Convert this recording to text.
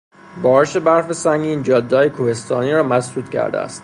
بارش برف سنگین جادههای کوهستانی را مسدود کرده است.